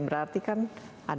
berarti kan ada coklat